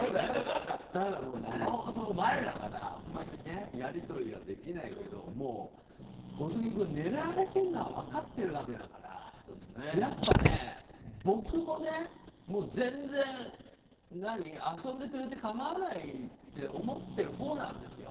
生放送前だからあんまりねやり取りはできないけどもう小杉君、狙われてるのは分かってるわけだからやっぱね、僕も全然遊んでくれて構わないと思ってるほうなんですよ。